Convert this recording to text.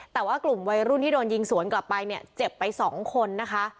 แต่ว่ากลุ่มวัยรุ่นที่โดนยิงสวนกลับไปเนี่ยเจ็บไปสองคนนะคะ